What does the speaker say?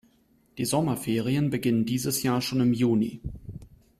Die Sommerferien beginnen dieses Jahr schon im Juni.